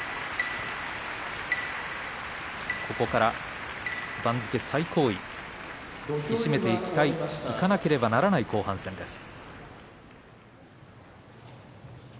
ここから番付最高位引き締めていきたいいかなければいけない後半戦です。